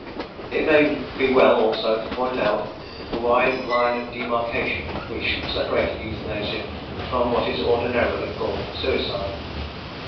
It may be well, also, to point out the wide line of demarcation which separated euthanasia from what is ordinarily called suicide.